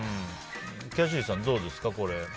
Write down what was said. キャシーさん、どうですか？